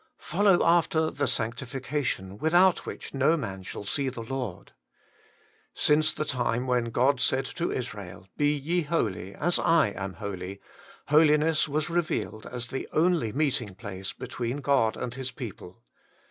'Follow after the sanctification, without which no man shall see the Lord.' Since the time when God said to Israel, ' Be ye holy, as I am holy,' Holiness was revealed as the only meeting place between God and His people.